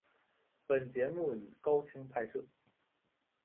本节目以高清拍摄。